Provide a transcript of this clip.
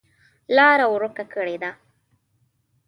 لاره ورکه کړې ده.